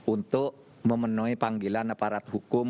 untuk memenuhi panggilan aparat hukum